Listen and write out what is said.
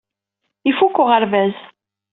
Ifuk uɣerbaz.